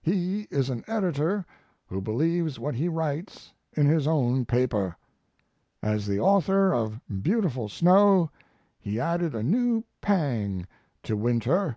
He is an editor who believes what he writes in his own paper. As the author of 'Beautiful Snow' he added a new pang to winter.